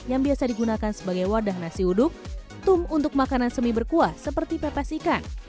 yang biasa digunakan sebagai wadah nasi uduk tum untuk makanan semi berkuah seperti pepes ikan